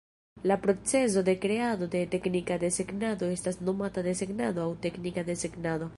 La procezo de kreado de teknika desegnado estas nomata desegnado aŭ teknika desegnado.